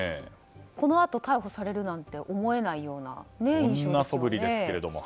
このあと逮捕されるなんて思えない印象ですよね。